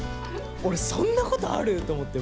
俺そんなことある！？と思って。